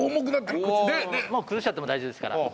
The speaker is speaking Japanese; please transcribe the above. もう崩しちゃっても大丈夫ですから。